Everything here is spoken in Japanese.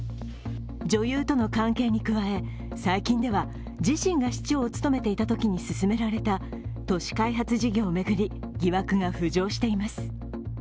女優との関係に加え最近では自身が市長を務めていたときに進められた都市開発事業を巡り疑惑が浮上しています。